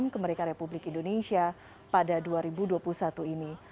kemerdekaan republik indonesia pada dua ribu dua puluh satu ini